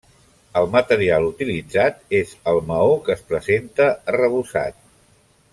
El material utilitzat és el maó, que es presenta arrebossat.